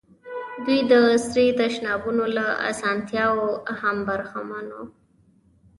دوی د عصري تشنابونو له اسانتیاوو هم برخمن دي.